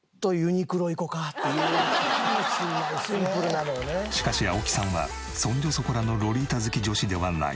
なんかしかし青木さんはそんじょそこらのロリータ好き女子ではない。